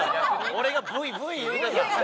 俺がブイブイ言うてた。